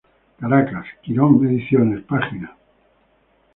Caracas, Quirón Ediciones, pág.